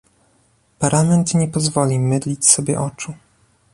Parlament nie pozwoli mydlić sobie oczu